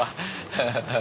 ハハハハ。